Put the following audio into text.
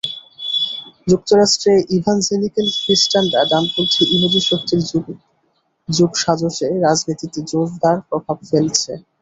যুক্তরাষ্ট্রে ইভানজেলিক্যাল খ্রিষ্টানরা ডানপন্থী ইহুদি শক্তির যোগসাজশে রাজনীতিতে জোরদার প্রভাব ফেলছে।